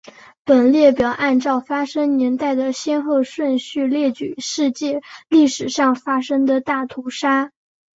本列表按照发生年代的先后顺序列举世界历史上发生的大屠杀。